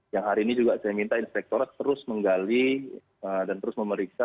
yang hari ini juga saya minta inspektorat terus menggali dan terus memeriksa